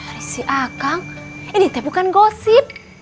ya si akang ini teh bukan gosip